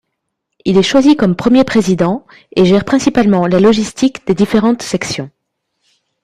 Il est choisi comme premier président, et gère principalement la logistique des différentes sections.